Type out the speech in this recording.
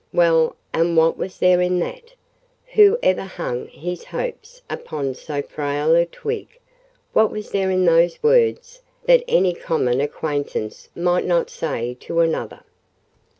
"Well, and what was there in that?—Who ever hung his hopes upon so frail a twig? What was there in those words that any common acquaintance might not say to another?